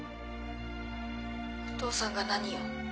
お父さんが何よ？